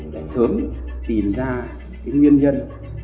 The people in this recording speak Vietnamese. để sớm tìm ra cái nguyên nhân